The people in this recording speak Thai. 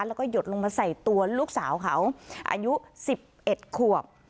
แล้วก็หยดลงมาใส่ตัวลูกสาวเขาอายุ๑๑ขวบ